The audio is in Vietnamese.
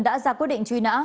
đã ra quyết định truy nã